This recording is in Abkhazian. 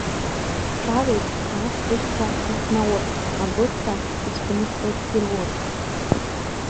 Сҟьалоит, ас сышьҭа ихнаур, абысҭа сыцәкнырхуеит ирур!